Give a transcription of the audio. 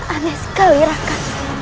aneh sekali raka